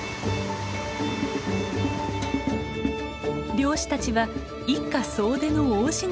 漁師たちは一家総出の大仕事。